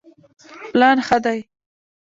پلان ښه دی.